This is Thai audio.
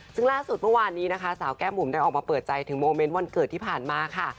ซึ่งล่าสุดเมื่อวานนี้นะคะสาวแก้มบุ๋มได้ออกมาเปิดใจถึงโมเมนต์วันเกิดที่ผ่านมาค่ะ